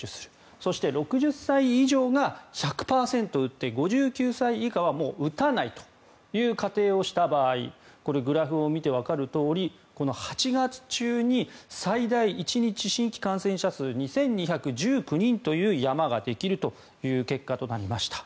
そして６０歳以上が１００％打って５９歳以下はもう打たないという仮定をした場合グラフを見てわかるとおり８月中に最大１日新規感染者数２２１９人という山ができるという結果となりました。